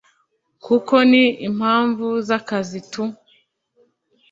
kuko ni impamvu z’akazi tu”